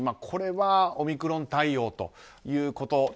これはオミクロン対応ということ。